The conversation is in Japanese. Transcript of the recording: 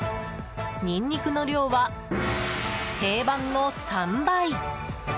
ニンニクの量は定番の３倍。